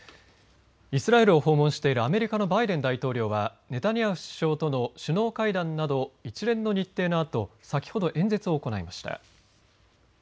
イスラエルを訪問しているアメリカのバイデン大統領はネタニヤフ首相との首脳会談など一連の日程のあと先ほど、演説を行いました。